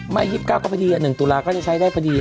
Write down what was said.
ไม่๒๙ก็ไปดี๑ตุลาคมก็ใช้ได้ไปดี